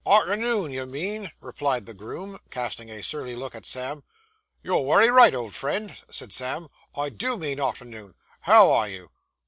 'Arternoon, you mean,' replied the groom, casting a surly look at Sam. 'You're wery right, old friend,' said Sam; 'I do mean arternoon. How are you?